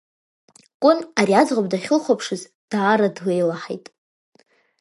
Кәын ари аӡӷаб дахьлыхәаԥшыз, даара длеилаҳаит.